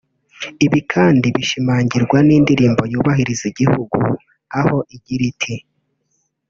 Ibi kandi bishimangirwa n’indirimbo yubahiriza Igihugu aho igira ati